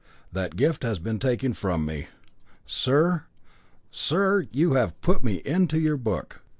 that gift has been taken from me. Sir! sir! you have put me into your book.